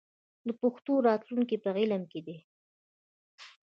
د پښتو راتلونکی په علم کې دی.